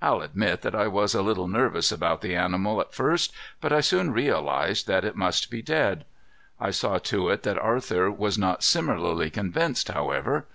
I'll admit that I was a little nervous about the animal at first, but I soon realized that it must be dead. I saw to it that Arthur was not similarly convinced, however.